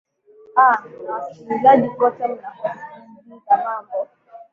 aa na wasikilizaji kote mnakotusikiliza mambo